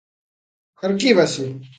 Arquívase.